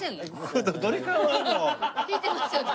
弾いてますよね？